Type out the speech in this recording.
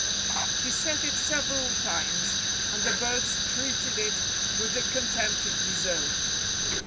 He said it several times, and the birds treated it with the contempt it deserved.